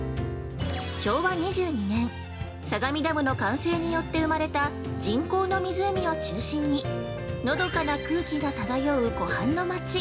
昭和２２年、相模ダムの完成によって生まれた人工の湖を中心にのどかな空気が漂う湖畔の町。